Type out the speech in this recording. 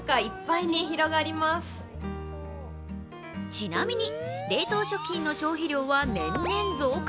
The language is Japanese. ちなみに、冷凍食品の消費量は年々増加。